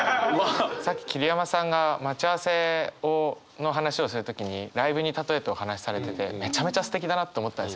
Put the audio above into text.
さっき桐山さんが待ち合わせの話をする時にライブに例えてお話しされててめちゃめちゃすてきだなと思ったんですよね。